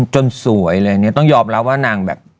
จนสวยเลยต้องหยอบรับว่านางแบบ